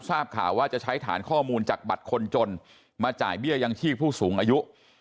ทราบข่าวว่าจะใช้ฐานข้อมูลจากบัตรคนจนมาจ่ายเบี้ยยังชีพผู้สูงอายุ